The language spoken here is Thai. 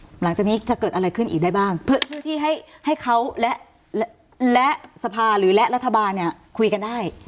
คุณปริณาค่ะหลังจากนี้จะเกิดอะไรขึ้นอีกได้บ้างเพื่อที่ให้เขาและสภาหรือและรัฐบาลเนี่ยคุยกันได้บ้างเพื่อที่ให้เขาและสภาหรือและรัฐบาลเนี่ยคุยกันได้บ้าง